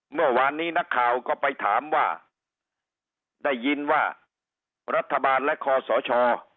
เมื่อวานนี้นักข่าวก็ไปถามว่าได้ยินว่ารัฐบาลและคอสช